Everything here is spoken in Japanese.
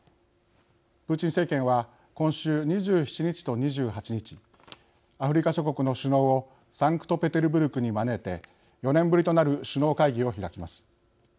プーチン政権は今週２７日と２８日アフリカ諸国の首脳をサンクトペテルブルクに招いて４年ぶりとなる首脳会議を開きます。